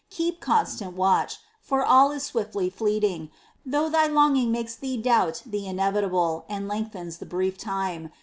Keep constant watch, for all is swiftly fleeting, though thy longing makes thee doubt the in evitable, and lengthens the brief time.